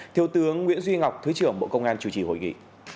thiếu tướng nguyễn duy ngọc thứ trưởng bộ công an chủ trì hội nghị